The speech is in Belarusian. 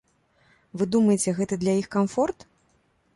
Вы думаеце гэта для іх камфорт?